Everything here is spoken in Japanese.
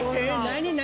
何？